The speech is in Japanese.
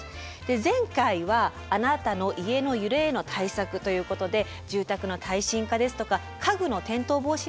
前回はあなたの家の揺れへの対策ということで住宅の耐震化ですとか家具の転倒防止についてお伝えしました。